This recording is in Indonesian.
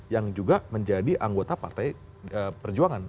yang juga menjadi anggota partai perjuangan